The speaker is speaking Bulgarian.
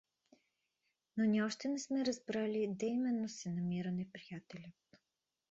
Но ние още не сме разбрали де именно се намира неприятелят.